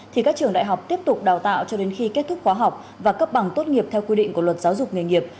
thì các trường đại học tiếp tục đào tạo cho đến khi kết thúc khóa học và cấp bằng tốt nghiệp theo quy định của luật giáo dục nghề nghiệp